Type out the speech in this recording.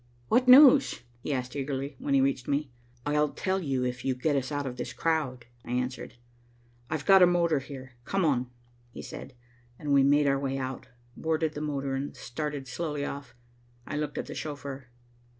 "What news?" he asked eagerly, when he reached me. "I'll tell you, if you'll get us out of this crowd," I answered. "I've got a motor here. Come on," he said, and we made our way out, boarded the motor and started slowly off. I looked at the chauffeur.